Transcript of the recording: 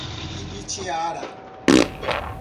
Ibitiara